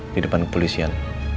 di depan kepolisian